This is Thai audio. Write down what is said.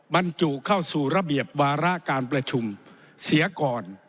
บรรจุเข้าสู่ระเบียบวาระการประชุมเสียก่อน